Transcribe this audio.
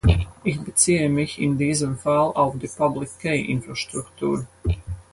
Ich beziehe mich in diesem Fall auf die Public-Key-Infrastruktur.